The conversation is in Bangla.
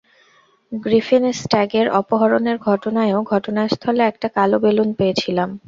গ্রিফিন স্ট্যাগের অপহরণের ঘটনায়ও ঘটনাস্থলে একটা কালো বেলুন পেয়েছিলাম।